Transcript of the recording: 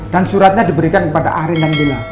dan suratnya diberikan kepada ahri dan bila